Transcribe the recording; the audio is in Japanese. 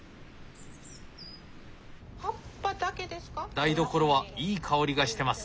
台所はいい香りがしてます。